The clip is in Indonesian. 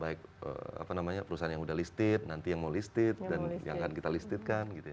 baik apa namanya perusahaan yang udah listed nanti yang mau listed dan yang akan kita listedkan gitu ya